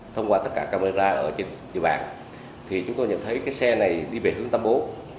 thông qua tất cả camera ở trên địa bàn thì chúng tôi nhận thấy cái xe này đi về hướng tâm bố